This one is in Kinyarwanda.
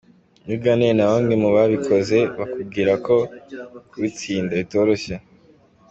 Iyo uganiriye na bamwe mu babikoze, bakubwira ko kubitsinda bitoroshye.